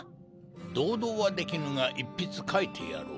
同道はできぬが一筆書いてやろう。